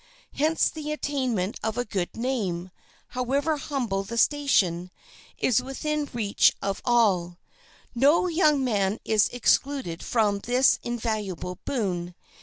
Hence the attainment of a good name, however humble the station, is within the reach of all. No young man is excluded from this invaluable boon.